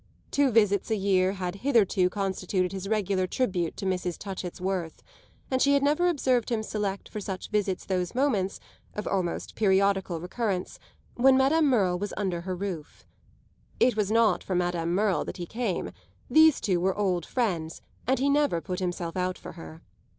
Two visits a year had hitherto constituted his regular tribute to Mrs. Touchett's worth, and she had never observed him select for such visits those moments, of almost periodical recurrence, when Madame Merle was under her roof. It was not for Madame Merle that he came; these two were old friends and he never put himself out for her.